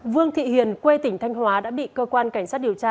vương thị hiền quê tỉnh thanh hóa đã bị cơ quan cảnh sát điều tra